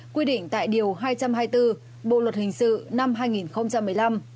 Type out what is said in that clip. quy định tại điều hai trăm hai mươi bốn bộ luật hình sự năm hai nghìn một mươi năm